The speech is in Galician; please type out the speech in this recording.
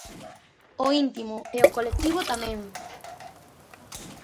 O íntimo e o colectivo tamén.